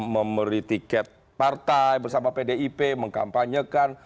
memberi tiket partai bersama pdip mengkampanyekan